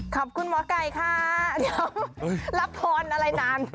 ขอบคุณหมอไก่ค่ะเดี๋ยวรับพรอะไรนาน